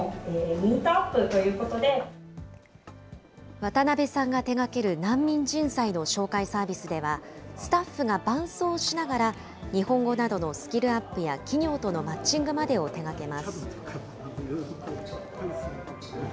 渡部さんが手がける難民人材の紹介サービスでは、スタッフが伴走しながら、日本語などのスキルアップや企業とのマッチングまでを手がけます。